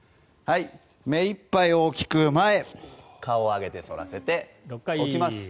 目いっぱい大きく、前顔を上げて反らせて起きます。